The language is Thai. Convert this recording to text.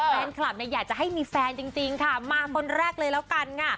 แฟนคลับเนี่ยอยากจะให้มีแฟนจริงค่ะมาคนแรกเลยแล้วกันค่ะ